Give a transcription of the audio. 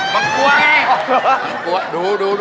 มันกลัวไงมันกลัวดูด้วย